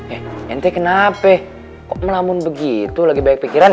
eh ente kenapa kok melamun begitu lagi banyak pikiran